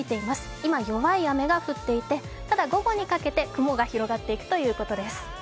今、弱い雨が降っていて、ただ、午後にかけて雲が広がっていくということです。